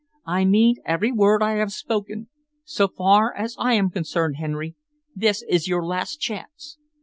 "I mean every word I have spoken. So far as I am concerned, Henry, this is your last chance."